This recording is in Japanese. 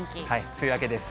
梅雨明けです。